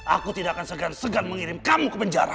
aku tidak akan segan segan mengirim kamu ke penjara